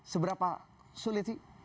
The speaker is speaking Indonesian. seberapa sulit sih